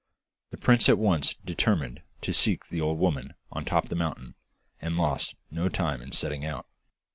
The prince at once determined to seek the old woman on the top of the mountain, and lost no time in setting out.